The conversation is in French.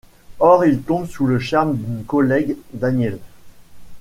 Or il tombe sous le charme d’une collègue, Danielle.